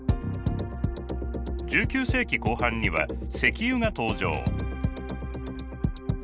１９世紀後半には石油が登場。